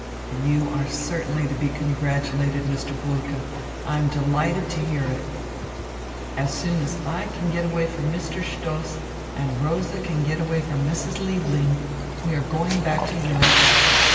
"You are certainly to be congratulated, Mr. Bulke. I am delighted to hear it." "As soon as I can get away from Mr. Stoss and Rosa can get away from Mrs. Liebling, we are going back to Europe.